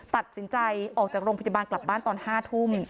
ตัดสินใจออกจากโรงพยาบาลกลับบ้านตอน๕ทุ่ม